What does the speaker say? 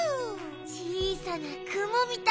ちいさなくもみたい。